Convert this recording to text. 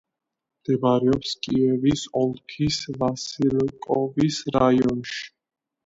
მდებარეობს კიევის ოლქის ვასილკოვის რაიონში.